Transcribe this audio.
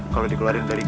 kalau dikeluarin dari geng